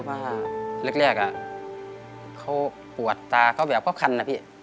คือว่าแรกอะเขาปวดตาเขาแบบก็คันอะพี่